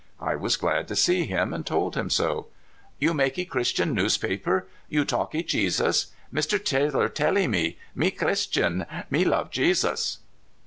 I was glad to see him, and told him so. "You makee Christian newspaper? You talkee Jesus? Mr. Taylor tellee me. Me Christian me love Jesus."